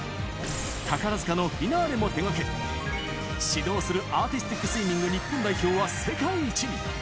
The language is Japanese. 宝塚のフィナーレも手掛け、指導するアーティスティックスイミング日本代表は世界一に。